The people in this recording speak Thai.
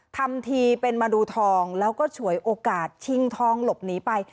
ทำทีเป็นมาดูทองแล้วก็ฉวยโอกาสชิงทองหลบหนีไป